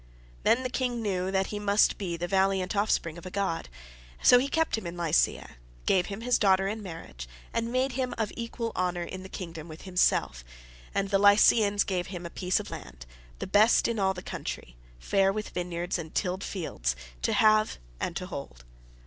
Then the king knew that he must be the valiant offspring of a god, so he kept him in Lycia, gave him his daughter in marriage, and made him of equal honour in the kingdom with himself; and the Lycians gave him a piece of land, the best in all the country, fair with vineyards and tilled fields, to have and to hold.